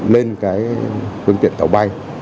lên cái quân tiện tàu bay